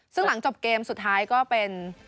ซึ่งหลังจบเกมสุดท้ายก็เป็น